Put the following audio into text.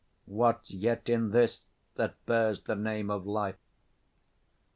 What's yet in this That bears the name of life?